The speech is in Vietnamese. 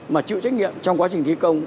mà chịu trách nhiệm trong quá trình thi công